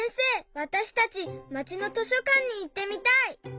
わたしたちまちの図書かんにいってみたい！